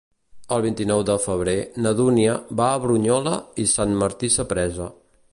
El vint-i-nou de febrer na Dúnia va a Brunyola i Sant Martí Sapresa.